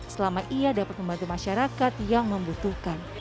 selama ia dapat membantu masyarakat yang membutuhkan